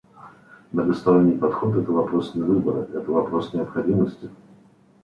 Многосторонний подход — это вопрос не выбора, это вопрос необходимости.